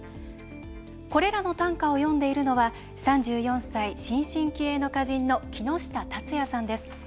これらの短歌を詠んでいるのは３４歳、新進気鋭の歌人の木下龍也さんです。